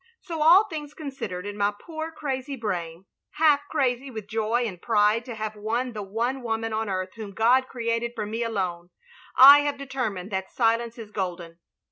So all things considered in my poor crazy brain — half crazy with joy and pride to have won the one woman on earth whom God created for me alone — I have determined that silence is golden.